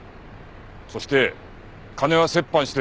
そして金は折半して。